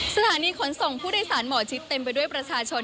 สถานีขนส่งผู้โดยสารหมอชิดเต็มไปด้วยประชาชน